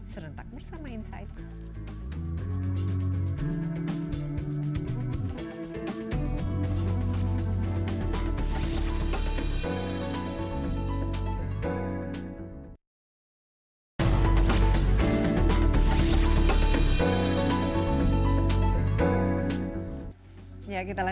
serentak bersama insight